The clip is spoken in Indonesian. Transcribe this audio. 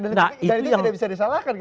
dan itu tidak bisa disalahkan kan pak raya